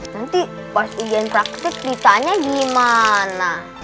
nanti pas ijen praktik ditanya gimana